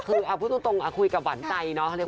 คือพูดตรงคุยกับหวันตัยเนอะ